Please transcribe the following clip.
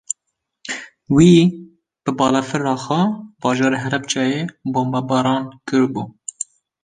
Wî, bi balafira xwe bajarê Helebceyê bombebaran kiribû